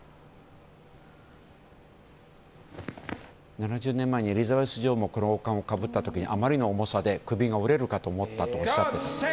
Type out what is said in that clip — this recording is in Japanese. ７０年前にエリザベス女王もこの王冠をかぶった時にあまりの重さで首が折れるかと思ったとおっしゃったそうです。